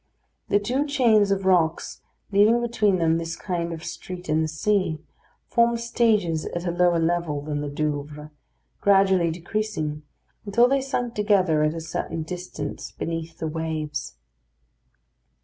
The two chains of rocks, leaving between them this kind of street in the sea, formed stages at a lower level than the Douvres, gradually decreasing, until they sunk together at a certain distance beneath the waves.